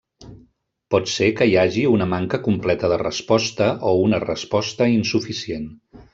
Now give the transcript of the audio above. Pot ser que hi hagi una manca completa de resposta o una resposta insuficient.